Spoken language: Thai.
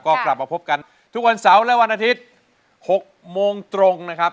ก็กลับมาพบกันทุกวันเสาร์และวันอาทิตย์๖โมงตรงนะครับ